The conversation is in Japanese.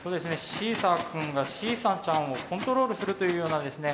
シーサー君がシーサーちゃんをコントロールするというようなですね